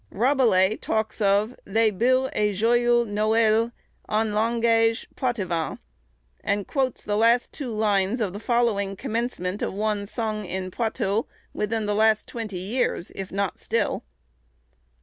Rabelais talks of "les beaulx et joyeulx noelz, en langaige poitevin," and quotes the two last lines of the following commencement of one sung in Poitou, within the last twenty years, if not still.